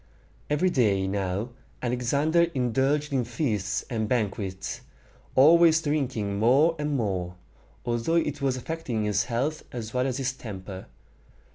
Every day now Alexander indulged in feasts and banquets, always drinking more and more, although it was affecting his health as well as his temper.